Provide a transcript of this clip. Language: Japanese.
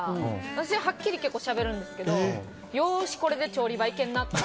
私、はっきりしゃべるんですけどようし、これで調理場行けるなって。